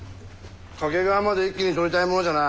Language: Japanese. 懸川まで一気に取りたいものじゃな。